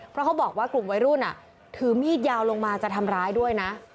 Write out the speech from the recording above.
เพราะเขาบอกว่ากลุ่มวัยรุ่นถือมีดยาวลงมาจะทำร้ายด้วยนะ